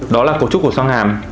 đó là cấu trúc của xoang hàm